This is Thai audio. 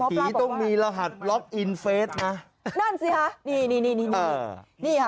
เออผีต้องมีรหัสล็อคอินเฟสนะนั่นสิฮะนี่นี่นี่นี่นี่นี่ค่ะ